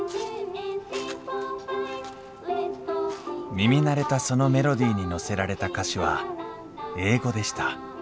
耳慣れたそのメロディーに乗せられた歌詞は英語でした。